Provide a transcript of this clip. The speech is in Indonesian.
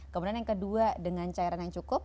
kemudian yang ke dua dengan cairan yang cukup